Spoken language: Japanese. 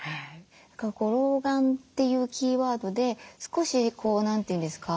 老眼っていうキーワードで少しこう何て言うんですか